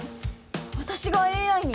私がＡＩに？